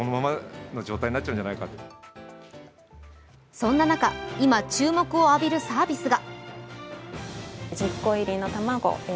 そんな中、今、注目を浴びるサービスが。